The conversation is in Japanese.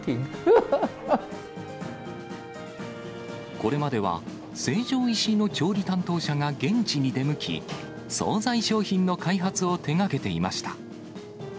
これまでは、成城石井の調理担当者が現地に出向き、総菜商品の開発を手がけていました。